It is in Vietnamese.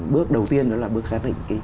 bước đầu tiên đó là bước xác định